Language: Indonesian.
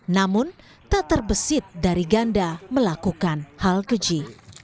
namun tak terbesit dari ganda melakukan hal keji